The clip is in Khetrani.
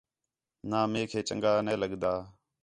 نا میک ہے چَنڳا نے لڳدا